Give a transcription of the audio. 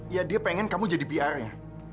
ya dia pengen kamu jadi pr nya